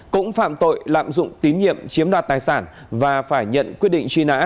cũng phạm tội lạm dụng tín nhiệm chiếm đoạt tài sản và phải nhận quyết định truy nã